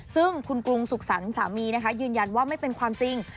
ซึ่งคุณกรุงสุขสรรค์สามีนะคะยืนยันว่าไม่เป็นความจริง